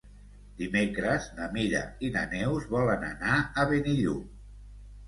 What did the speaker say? Dimecres na Mira i na Neus volen anar a Benillup.